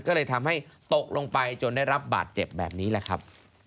ก็เลยทำให้ตกลงไปจนได้รับบาดเจ็บแบบนี้แหละครับ